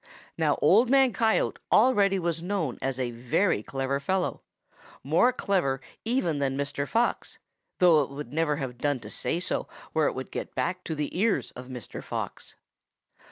Now Old Man Coyote already was known as a very clever fellow, more clever even than Mr. Fox, though it would never have done to say so where it would get back to the ears of Mr. Fox.